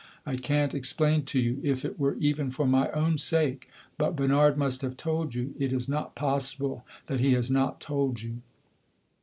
I can't explain to you if it were even for my own sake. But Bernard must have told you; it is not possible that he has not told you?"